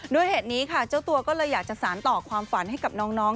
ด้วยเหตุนี้ค่ะเจ้าตัวก็เลยอยากจะสารต่อความฝันให้กับน้อง